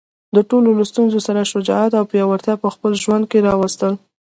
د ټولو له ستونزو سره شجاعت او پیاوړتیا په خپل ژوند کې راوستل.